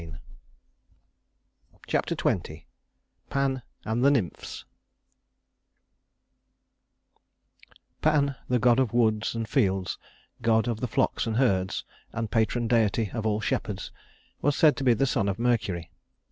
Chapter XX Pan and the Nymphs Pan, the god of woods and fields, god of the flocks and herds, and patron deity of all shepherds, was said to be the son of Mercury.